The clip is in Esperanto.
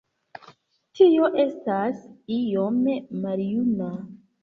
Tio estas iom maljuna.